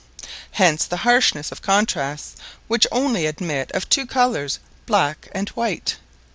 Hence the harshness of contrasts, which only admit of two colors, black and white.